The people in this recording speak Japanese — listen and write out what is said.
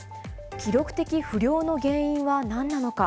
記録的不漁の原因はなんなのか。